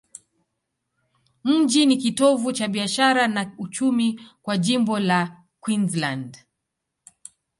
Mji ni kitovu cha biashara na uchumi kwa jimbo la Queensland.